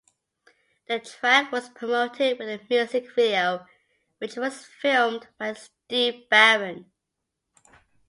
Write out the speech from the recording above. The track was promoted with a music video, which was filmed by Steve Barron.